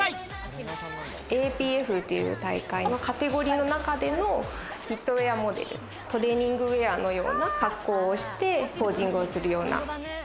ＡＰＦっていう大会のカテゴリーの中でのフィットウェアモデル、トレーニングウェアのような格好をして、ポージングをするような。